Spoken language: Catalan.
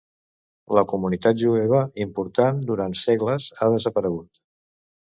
La comunitat jueva, important durant segles, ha desaparegut.